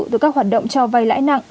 từ các hoạt động cho vay lãi nặng